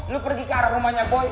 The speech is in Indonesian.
lu pergi ke arah rumahnya boy